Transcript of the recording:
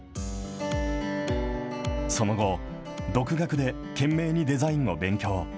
その後、独学で懸命にデザインを勉強。